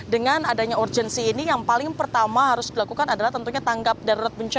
dengan adanya urgensi ini yang paling pertama harus dilakukan adalah tentunya tanggap darurat bencana